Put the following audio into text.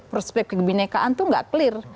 perspektif kebenekaan itu nggak clear